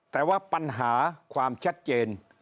แต่ว่าปัญหาความชัดเจน